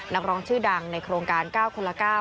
นักร้องชื่อดังในโครงการ๙คนละ๙